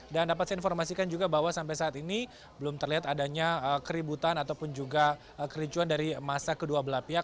dan dapat saya informasikan juga bahwa sampai saat ini belum terlihat adanya keributan ataupun juga kericuan dari masa kedua belah pihak